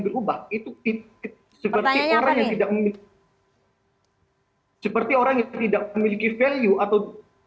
berubah itu seperti orang yang tidak memiliki seperti orang yang tidak memiliki value atau